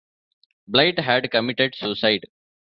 Blight had committed suicide.